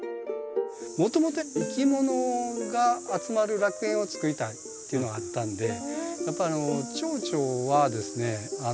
もともといきものが集まる楽園を作りたいっていうのがあったんでやっぱチョウチョはですね